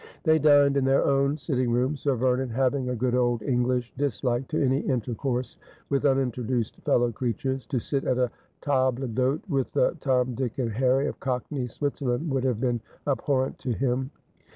They dined in their own sitting room, Sir Vernon having a good old English dislike to any intercourse with unintroduced fellow creatures. To sit at a table cVhote with the Tom, Dick, and Harry of cockney Switzerland would have been abhorrent to him.